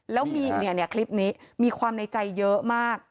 แล้วมีคลิปนี้มีความในใจเยอะมาก